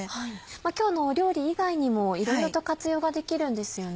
今日の料理以外にもいろいろと活用ができるんですよね。